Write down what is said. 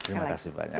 terima kasih banyak